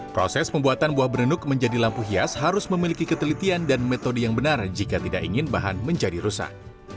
proses pembuatan buah berenuk menjadi lampu hias harus memiliki ketelitian dan metode yang benar jika tidak ingin bahan menjadi rusak